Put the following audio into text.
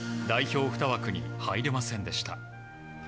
代表２枠に入れませんでした。